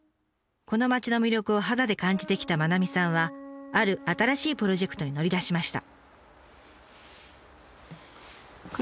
この町の魅力を肌で感じてきた愛さんはある新しいプロジェクトに乗り出しました。